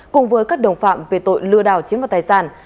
cùng với các đồng phạm về tội lừa đảo chiếm đoạt tài sản